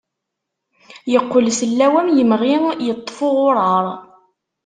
Yeqqel sellaw am yemɣi yeṭṭef uɣurar.